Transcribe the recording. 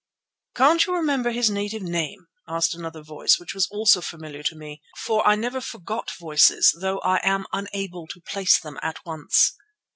"Can't you remember his native name?" asked another voice which was also familiar to me, for I never forget voices though I am unable to place them at once.